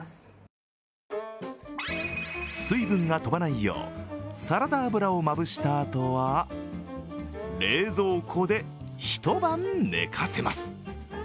水分が飛ばないよう、サラダ油をまぶしたあとは冷蔵庫で一晩寝かせます。